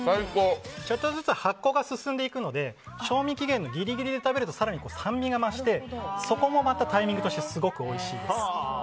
ちょっとずつ発酵が進んでいくので賞味期限のギリギリで食べると更に酸味が増してそこもまたタイミングとしてすごくおいしいです。